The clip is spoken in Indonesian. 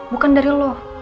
bukan dari lo